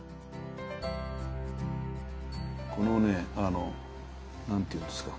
このねあの何て言うんですか。